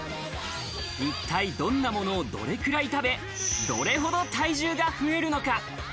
一体どんなものをどれくらい食べ、どれほど体重が増えるのか？